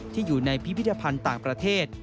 ที่อยู่ในพิพิธภัณฑ์ต่างประเทศ